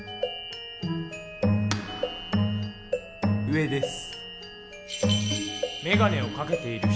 上です。